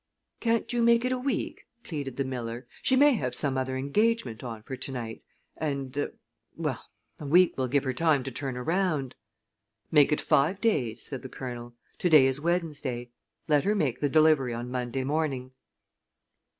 "Can't you make it a week?" pleaded the miller. "She may have some other engagement on for to night, and er well, a week will give her time to turn around." "Make it five days," said the Colonel. "To day is Wednesday. Let her make the delivery on Monday morning."